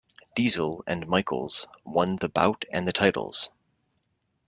Diesel and Michaels won the bout and the titles.